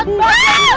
aduh aneh aneh